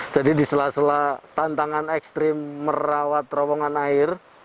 jadi di sela sela tantangan ekstrim merawat terowongan air